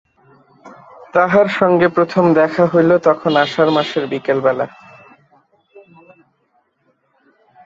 তাহার সঙ্গে প্রথম দেখা হইল, তখন আষাঢ়মাসের বিকালবেলা।